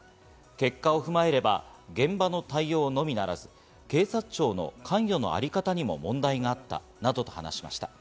結果を踏まえれば現場の対応のみならず、警察庁の関与のあり方にも問題があったなどと話しました。